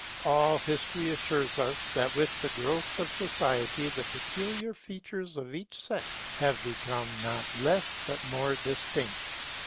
All history assures us that with the growth of society the peculiar features of each sex have become not less but more distinct.